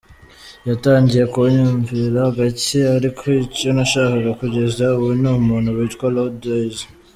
Yatangiye kunyumvira gakje ariko icyo ntashaka kugeza ubu ni umuntu witwa Lord Eyez.